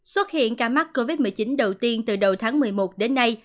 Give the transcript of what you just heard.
xuất hiện ca mắc covid một mươi chín đầu tiên từ đầu tháng một mươi một đến nay